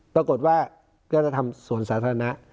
ปรากฏว่าก็จะทำสวนสาธารณะ